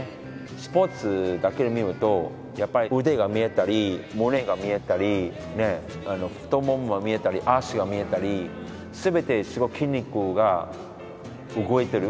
スポーツだけで見るとやっぱり腕が見えたり胸が見えたり太ももが見えたり脚が見えたり全てすごく筋肉が動いてる。